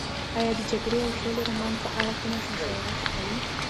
ایا د جګړې او سولې رومان په اړه کومه مشاعره شوې؟